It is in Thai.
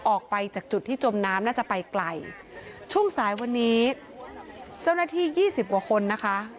ออกไปจากจุดที่จมน้ำน่าจะไปไกลช่วงสายวันนี้เจ้าหน้าที่ยี่สิบกว่าคนนะคะ